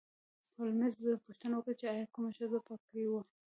هولمز پوښتنه وکړه چې ایا کومه ښځه په کې وه